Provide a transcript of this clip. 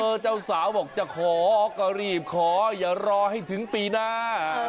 เจ้าสาวบอกจะขอก็รีบขออย่ารอให้ถึงปีหน้า